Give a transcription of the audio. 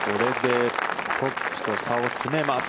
トップと差を詰めます。